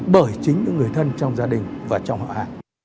bởi chính những người thân trong gia đình và trong họa